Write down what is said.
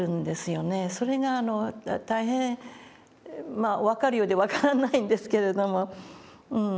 それが大変まあ分かるようで分からないんですけれども。